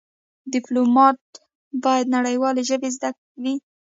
د ډيپلومات بايد نړېوالې ژبې زده وي.